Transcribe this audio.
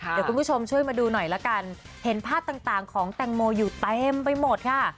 เดี๋ยวคุณผู้ชมช่วยมาดูหน่อยละกันเห็นภาพต่างของแตงโมอยู่เต็มไปหมดค่ะ